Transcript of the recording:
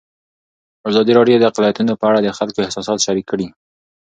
ازادي راډیو د اقلیتونه په اړه د خلکو احساسات شریک کړي.